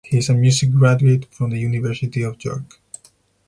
He is a music graduate from the University of York.